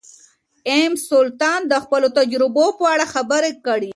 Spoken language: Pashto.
ام سلطان د خپلو تجربو په اړه خبرې کړې.